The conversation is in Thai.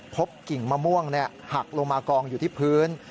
กิ่งมะม่วงหักลงมากองอยู่ที่พื้น